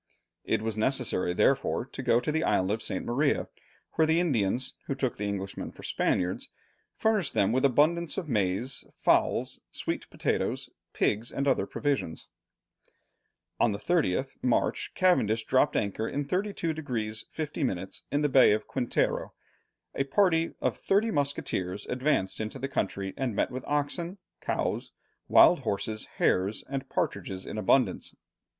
It was necessary therefore to go to the island of St. Maria, where the Indians, who took the Englishmen for Spaniards, furnished them with abundance of maize, fowls, sweet potatoes, pigs, and other provisions. On the 30th March, Cavendish dropped anchor in 32 degrees 50 minutes in the Bay of Quintero. A party of thirty musketeers advanced into the country and met with oxen, cows, wild horses, hares, and partridges in abundance.